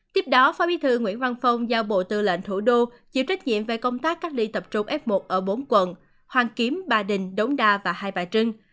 tiếp đó phó bí thư nguyễn văn phong giao bộ tư lệnh thủ đô chịu trách nhiệm về công tác cách ly tập trung f một ở bốn quận hoàn kiếm ba đình đống đa và hai bà trưng